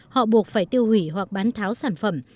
họ buộc phải tiêu hủy hoặc bán tháo sản phẩm